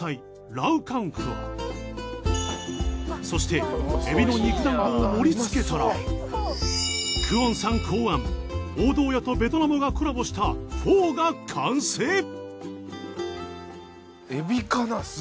そしてエビの肉団子を盛りつけたらクオンさん考案王道家とベトナムがコラボしたフォーが完成！